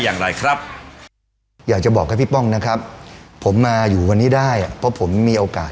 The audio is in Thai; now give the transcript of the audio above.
อย่างไรครับอยากจะบอกให้พี่ป้องนะครับผมมาอยู่วันนี้ได้อ่ะเพราะผมมีโอกาส